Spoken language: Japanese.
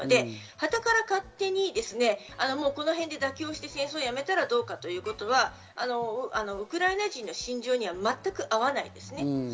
はたから勝手にこのへんで妥協して戦争をやめたらどうかということはウクライナ人の心情には全く合わないです。